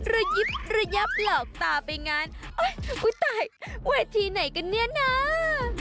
ระยิบระยับหลอกตาไปงั้นอุ้ยตายเวทีไหนกันเนี่ยนะ